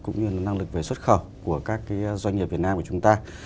cũng như năng lực về xuất khẩu của các doanh nghiệp việt nam của chúng ta